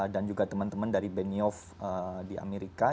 dan juga teman teman dari benioff di amerika